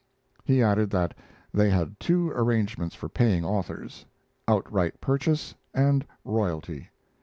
He added that they had two arrangements for paying authors: outright purchase, and royalty.